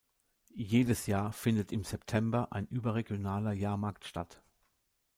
Jedes Jahr findet im September ein überregionaler Jahrmarkt statt.